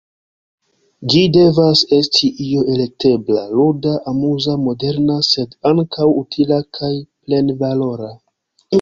Ĝi devas esti io elektebla, luda, amuza, moderna sed ankaŭ utila kaj plenvalora.